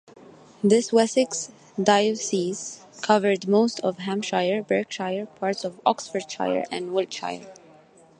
This Wessex diocese covered most of Hampshire, Berkshire, parts of Oxfordshire and Wiltshire.